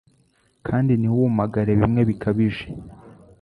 kandi ntiwumagare bimwe bikabije